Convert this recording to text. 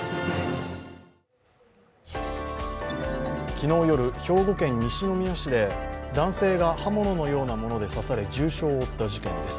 昨日夜、兵庫県西宮市で男性が刃物のようなもので刺され重傷を負った事件です。